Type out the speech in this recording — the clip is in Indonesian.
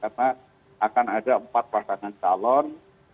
karena akan ada empat pasangan calon